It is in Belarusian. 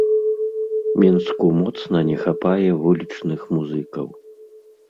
Мінску моцна не хапае вулічных музыкаў.